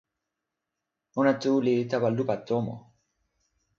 ona tu li tawa lupa tomo.